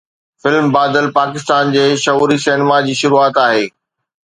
film Badal Pakistan جي شعوري cinema جي شروعات آهي